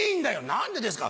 「何でですか？」。